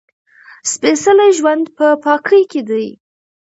سپېڅلی ژوند په پاکۍ کې دی.